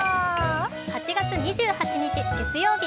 ８月２８日月曜日。